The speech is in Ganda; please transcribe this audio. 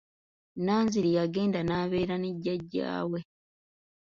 Nanziri yagenda n'abeera ne jjajja we.